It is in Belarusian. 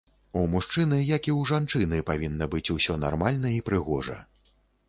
У мужчыны, як і ў жанчыны, павінна быць усё нармальна і прыгожа.